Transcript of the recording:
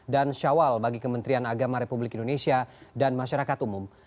dan syawal bagi kementerian agama republik indonesia dan masyarakat umum